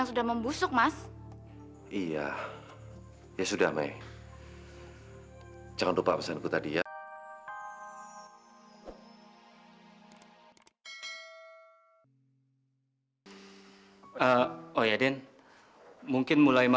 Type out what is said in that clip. sampai jumpa di video selanjutnya